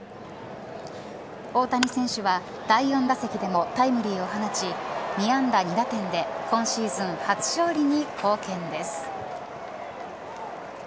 大谷選手は第４打席でもタイムリーを放ち２安打、２打点で今シーズン初勝利に貢献です。